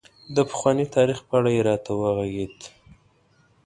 د پخواني تاريخ په اړه یې راته غږېده.